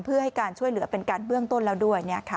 เพื่อให้การช่วยเหลือเป็นการเบื้องต้นแล้วด้วย